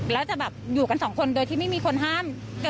แล้วจะแบบอยู่กันสองคนโดยที่ไม่มีคนห้าม